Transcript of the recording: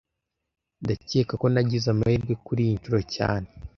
Ndakeka ko nagize amahirwe kuriyi nshuro cyane